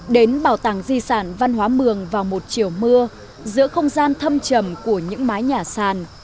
đến bảo tàng di sản văn hóa mường vào một chiều mưa giữa không gian thâm trầm của những mái nhà sàn